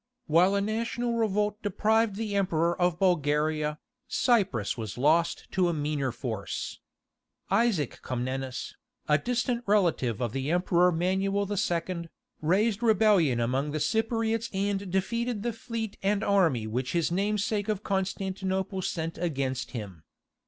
While a national revolt deprived the Emperor of Bulgaria, Cyprus was lost to a meaner force. Isaac Comnenus, a distant relative of the Emperor Manuel II., raised rebellion among the Cypriots and defeated the fleet and army which his namesake of Constantinople sent against him.